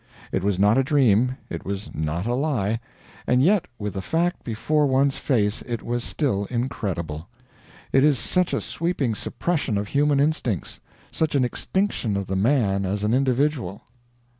It was not a dream, it was not a lie. And yet with the fact before one's face it was still incredible. It is such a sweeping suppression of human instincts, such an extinction of the man as an individual.